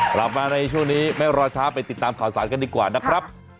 กลับมาในช่วงนี้ไม่รอช้าไปติดตามข่าวสารกันดีกว่านะครับ